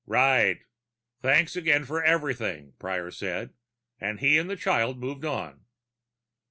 "Right. Thanks again for everything," Prior said, and he and the child moved on.